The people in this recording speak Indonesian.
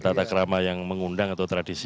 tata kerama yang mengundang atau tradisi